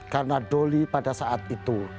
karena doli pada saat itu